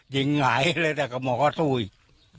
ยิงใหม่เลยแต่ก็หมอยล๋อสู้อีก